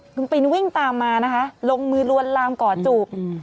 คุณปินวิ่งตามมานะคะลงมือลวนลามก่อจูบ